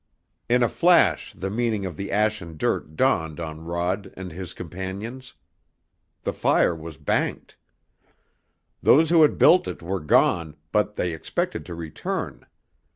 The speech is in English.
In a flash the meaning of the ash and dirt dawned on Rod and his companions. The fire was banked. Those who had built it were gone, but they expected to return.